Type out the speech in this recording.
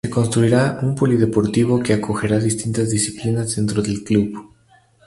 Se construirá un Polideportivo que acogerá distintas disciplinas dentro del club.